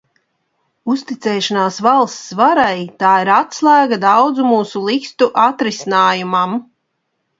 Uzticēšanās valsts varai – tā ir atslēga daudzu mūsu likstu atrisinājumam.